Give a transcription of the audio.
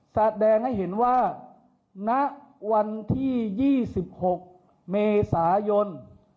แสดงให้เห็นว่าณวันที่๒๖เมษายน